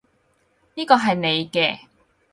呢個係你嘅